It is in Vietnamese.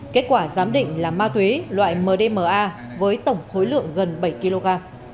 kết quả giám định là ma túy loại mdma với tổng khối lượng gần bảy kg